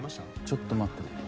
ちょっと待ってて。